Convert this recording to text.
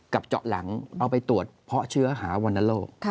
กลับเจาะหลังเอาไปตรวจเพาะเชื้อหาวันทะโลก